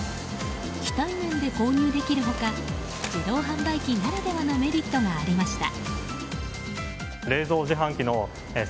非対面で購入できる他自動販売機ならではのメリットがありました。